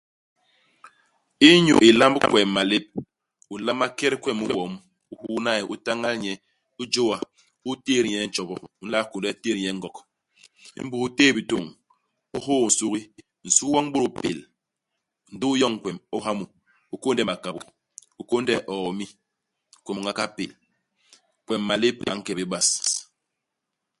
Inyu ilamb kwem malép, u nlama ket kwem i wom, u huuna nye, u tañal nye, u jôa, u tét nye i ntjobo. U nla ki kônde tét nye i ngok. Imbus u téé bitôñ, u hôô nsugi ; nsugi woñ u bôdôl pél, ndi u yoñ kwem, u ha mu. U kônde makabô, u kônde hiomi. Kwem woñ a kahal pél. Kwem malép a nke bé bas.